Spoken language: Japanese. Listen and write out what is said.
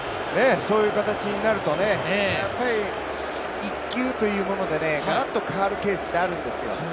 そういう形になると、一球というものでがらっと変わるケースがあるんですよ。